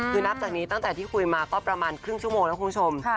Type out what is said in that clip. คือนับจากนี้ตั้งแต่ที่คุยมาก็ประมาณครึ่งชั่วโมงนะคุณผู้ชม